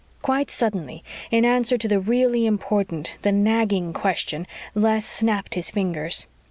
Quite suddenly, in answer to the really important, the nagging, question, Les snapped his fingers.